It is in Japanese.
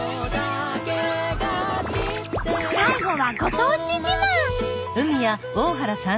最後はご当地自慢。